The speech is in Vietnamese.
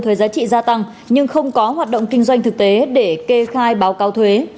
thuế giá trị gia tăng nhưng không có hoạt động kinh doanh thực tế để kê khai báo cáo thuế